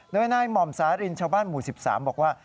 โดยนายหม่อมสารินชาวบ้านหมู่๑๓บอกว่า